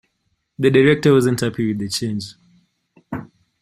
The director wasn't happy with the change.